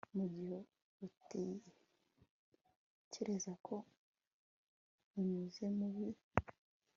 mugihe utekereza ko unyuze mubi